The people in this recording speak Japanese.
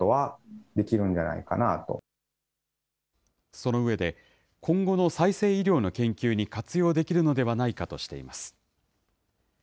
その上で、今後の再生医療の研究に活用できるのではないかとしています。